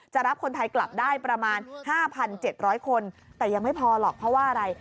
รับคนไทยกลับได้ประมาณ๕๗๐๐คนแต่ยังไม่พอหรอกเพราะว่าอะไร